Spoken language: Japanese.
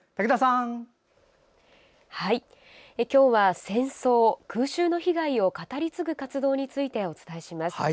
今日は戦争、空襲の被害を語り継ぐ活動についてお伝えします。